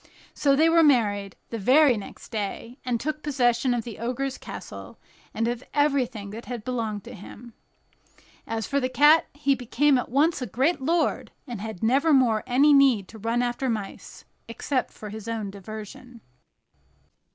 So they were married the very next day, and took possession of the Ogre's castle, and of everything that had belonged to him. As for the cat, he became at once a great lord, and had nevermore any need to run after mice, except for his own diversion.